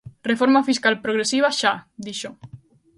Reforma Fiscal progresiva xa!, dixo.